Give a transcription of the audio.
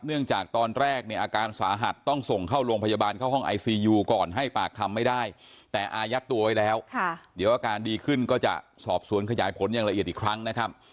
จากตอนแรกเนี่ยอาการสาหัสต้องส่งเข้าโรงพยาบาลเข้าห้องไอซียูก่อนให้ปากคำไม่ได้แต่อายัดตัวไว้แล้วเดี๋ยวอาการดีขึ้นก็จะสอบสวนขยายผลอย่างละเอียดอีกครั้งนะครับ